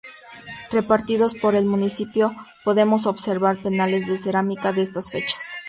Repartidos por el municipio podemos observar paneles de cerámica de estas fechas.